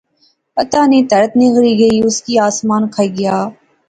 پتہ نی تہرت نگلی گئی اس کی اسمان کھائی گیا